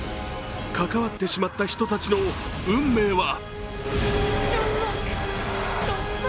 関わってしまった人たちの運命は？